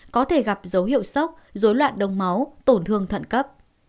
có thể gặp dấu hiệu sốc dối loạn đông máu tổn thương thận cấp